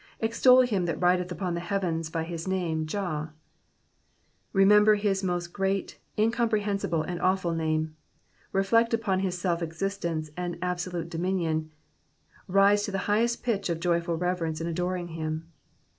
^^Bxtol him that rideth upon the heavens by his name jah." Remember his most great, incomprehensible, and awful name ; reflect upon his self existence and absolute dominion, rise to the highest pitch of joyful reverence in adoring him.